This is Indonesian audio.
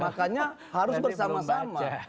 makanya harus bersama sama